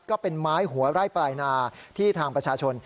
ก็เป็นไม้หัวไร่ปลายนาที่ทางประชาชน